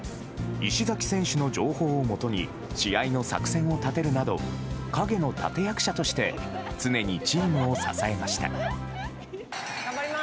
石崎選手の情報をもとに試合の作戦を立てるなど陰の立役者として常にチームを支えました。